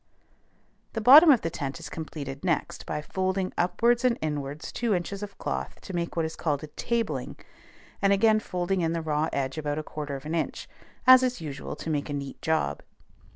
The bottom of the tent is completed next by folding upwards and inwards two inches of cloth to make what is called a "tabling," and again folding in the raw edge about a quarter of an inch, as is usual to make a neat job.